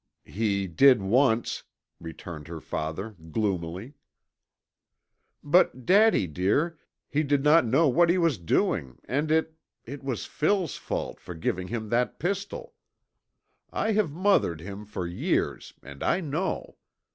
"He did once," returned her father, gloomily. "But, Daddy, dear, he did not know what he was doing and it it was Phil's fault for giving him that pistol. I have mothered him for years and I know.